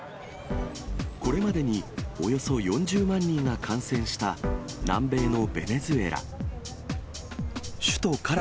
これまでにおよそ４０万人が感染した南米のベネズエラ。